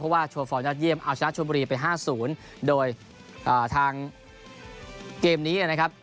เพราะว่าโชว์ฟอร์มยอดเยี่ยมเอาชนะชนบุรีไป๕๐โดยทางเกมนี้นะครับ